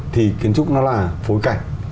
thì kiến trúc nó là phối cảnh